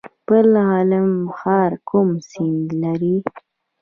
پل علم ښار کوم سیند لري؟